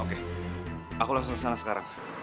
oke aku langsung kesana sekarang